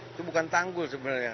itu bukan tanggul sebenarnya